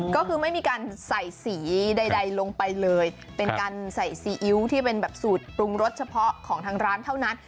ก็คือไม่มีการใส่สีใดลงไปเลยเป็นการใส่ซีอิ๊วที่เป็นแบบสูตรปรุงรสเฉพาะของทางร้านเท่านั้น